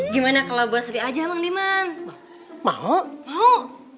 gimana kalau buat sri aja emang diman